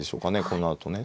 このあとね。